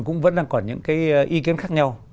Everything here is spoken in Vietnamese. cũng vẫn đang còn những cái ý kiến khác nhau